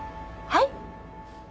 はい？